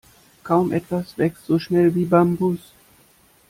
Kaum etwas wächst so schnell wie Bambus.